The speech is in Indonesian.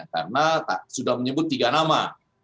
karena sudah menyebut tiga nama